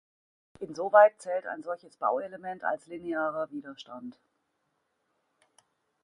Insoweit zählt ein solches Bauelement als linearer Widerstand.